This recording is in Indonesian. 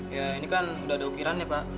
ya ini kan sudah ada ukiran ya pak